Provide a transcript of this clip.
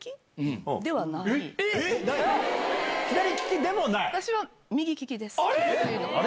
えっ⁉左利きでもない？